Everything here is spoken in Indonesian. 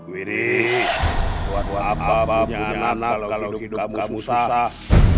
wiri buat apa punya anak kalau hidup kamu susah